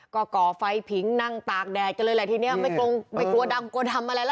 ก็ก่อไฟผิงนั่งตากแดดกันเลยแหละทีนี้ไม่กลัวดำกลัวทำอะไรแล้ว